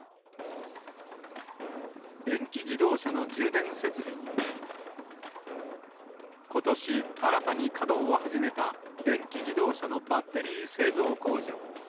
電気自動車の充電設備に、ことし新たに稼働を始めた、電気自動車のバッテリー製造工場。